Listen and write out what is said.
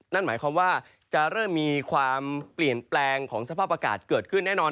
นั่นหมายความว่าจะเริ่มมีความเปลี่ยนแปลงของสภาพอากาศเกิดขึ้นแน่นอน